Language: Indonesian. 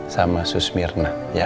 sama susmirna ya